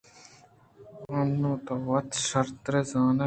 انوں تو وت شرتر زانئے